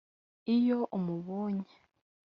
Iyo umubonye